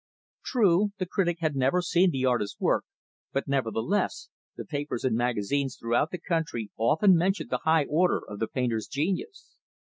True, the critic had never seen the artist's work; but, never the less, the papers and magazines throughout the country often mentioned the high order of the painter's genius.